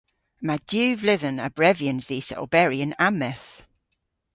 Yma diw vledhen a brevyans dhis a oberi yn ammeth.